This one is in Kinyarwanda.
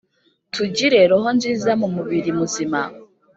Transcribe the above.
tugire roho nziza mu mubiri muzima.